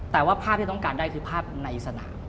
แต่ว่าภาพที่ต้องการได้คือภาพในสนาม